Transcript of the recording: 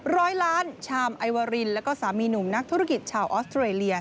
ร้อยล้านชามไอวารินแล้วก็สามีหนุ่มนักธุรกิจชาวออสเตรเลีย